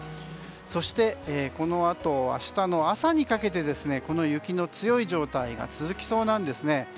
そしてこのあと明日の朝にかけて雪の強い状態が続きそうなんです。